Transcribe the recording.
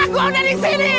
gua udah di sini